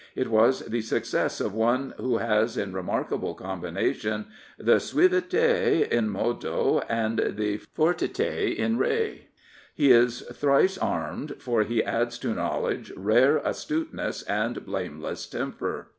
It was the success of one who has in remarkable combination the suaviter in modo and the fortiier in re. He is thrice armed, for he adds to knowledge rare astuteness and blameless temper.